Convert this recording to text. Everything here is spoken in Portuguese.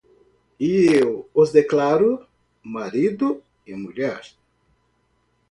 E eu os declaro: Marido e Mulher.